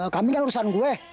kambing kan urusan gue